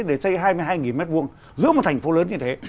để xây hai mươi hai m hai giữa một thành phố lớn như thế